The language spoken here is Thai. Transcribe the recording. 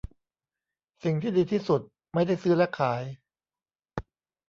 สิ่งที่ดีที่สุดไม่ได้ซื้อและขาย